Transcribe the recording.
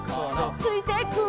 「ついてくる」